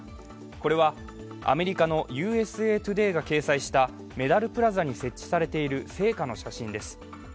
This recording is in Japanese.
これはアメリカの「ＵＳＡＴＯＤＡＹ」が掲載したメダルプラザに設置されている聖火の写真です。